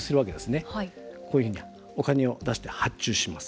こういうふうにお金を出して発注します。